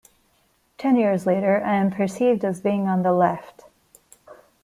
Ten years later I am perceived as being on the left.